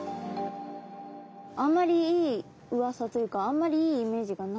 あんまりいいうわさというかあんまりいいイメージがなかったです。